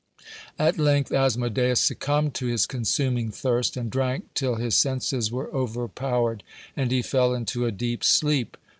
At length Asmodeus succumbed to his consuming thirst, and drank till his senses were overpowered, and he fell into a deep sleep.